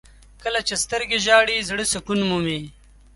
• کله چې سترګې ژاړي، زړه سکون مومي.